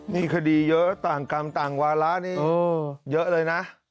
นี่คดีเยอะต่างกรรมต่างวาระนี่เยอะเลยนะ